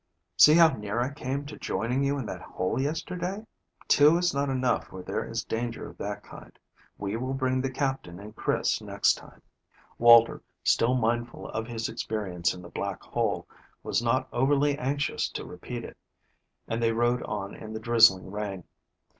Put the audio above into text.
See how near I came to joining you in that hole yesterday? Two is not enough where there is danger of that kind. We will bring the Captain and Chris next time." Walter, still mindful of his experience in the black hole, was not overly anxious to repeat it, and they rode on in the drizzling rain.